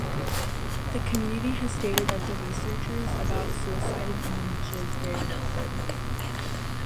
The community has stated that the researches about suicide in Indonesia is very limited.